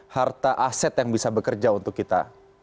harta aset yang bisa bekerja untuk kita